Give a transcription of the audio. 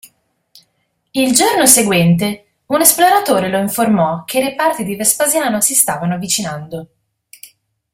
Il giorno seguente, un esploratore lo informò che reparti di Vespasiano si stavano avvicinando.